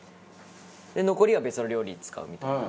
残りは別の料理に使うみたいな。